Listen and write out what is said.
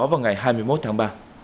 vào ngày hai mươi một tháng ba